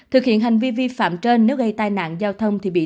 thực hiện hành vi vi phạm trên nếu gây tai nạn giao thông thì bị